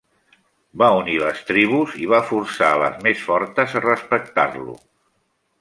Va unir les tribus i va forçar a les més fortes a respectar-lo.